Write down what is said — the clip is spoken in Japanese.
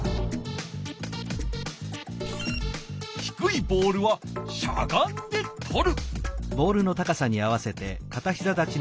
低いボールはしゃがんでとる。